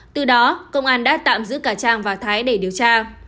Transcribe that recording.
từ đó công an đã tạm giữ cả trang và thái để điều tra